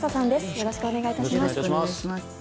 よろしくお願いします。